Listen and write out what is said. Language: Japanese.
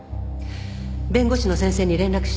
弁護士の先生に連絡して。